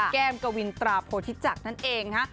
แก้มกวินตราโพธิจักรนั่นเองนะฮะ